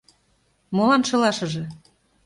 Молан шылашыже?..